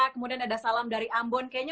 kemudian ada salam dari ambon kayaknya